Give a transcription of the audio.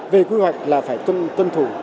về quy hoạch là phải tuân thủ